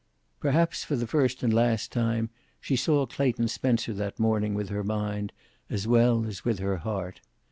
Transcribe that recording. Perhaps, for the first and last time, she saw Clayton Spencer that morning with her mind, as well as with her heart.